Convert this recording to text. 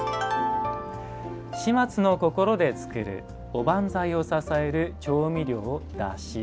「始末の心でつくる」「おばんざいを支える調味料・だし」